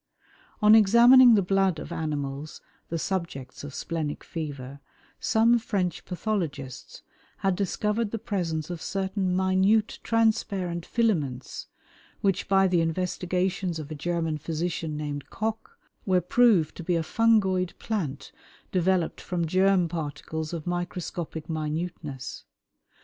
On examining the blood of animals, the subjects of "splenic fever," some French pathologists had discovered the presence of certain minute transparent filaments which, by the investigations of a German physician named Koch, were proved to be a fungoid plant developed from germ particles of microscopic minuteness.